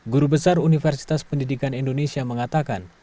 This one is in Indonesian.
guru besar universitas pendidikan indonesia mengatakan